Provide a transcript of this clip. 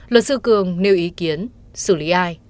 luật sư cường nêu ý kiến xử lý ai